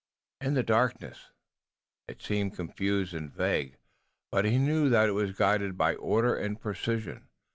In the darkness it seemed confused and vague, but he knew that it was guided by order and precision.